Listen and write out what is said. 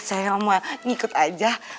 saya yang mau ngikut aja